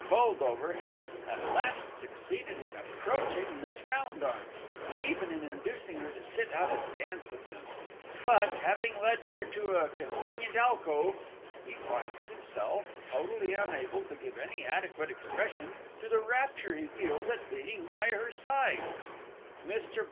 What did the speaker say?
BOLDOVER has at last succeeded in approaching MISS ROUNDARM, and even in inducing her to sit out a dance with him; _but, having led her to a convenient alcove, he finds himself totally unable to give any adequate expression to the rapture he feels at being by her side_. MR.